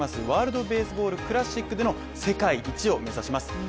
ワールドベースボールクラシックでの世界一を目指します。